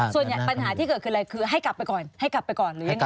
ปัญหาที่เกิดขึ้นอะไรคือให้กลับไปก่อนให้กลับไปก่อนหรือยังไง